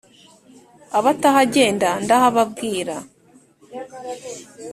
abatahagenda ndahababwira :